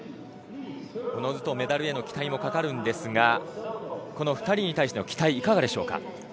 おのずとメダルへの期待もかかるんですがこの２人に対しての期待はいかがですか？